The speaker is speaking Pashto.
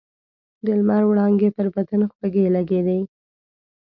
د لمر وړانګې پر بدن خوږې لګېدې.